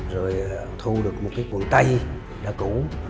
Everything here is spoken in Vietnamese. rồi thu được một cái quần tay đã cũ